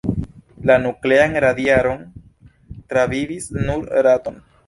La nuklean radiadon travivis nur ratoj.